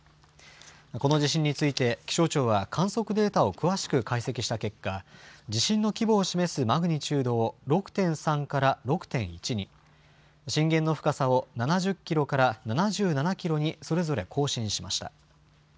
この地震について、気象庁は観測データを詳しく解析した結果、地震の規模を示すマグニチュードを６．３から６．１に、震源の深さを７０キロから７７キロにそれぞれ更新しました。